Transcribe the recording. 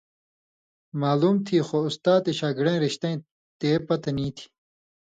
معلوم تھی خو اُستا تے شاگڑَیں رِشتَیں تے پتہۡ نی تھی